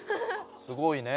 すごいねえ。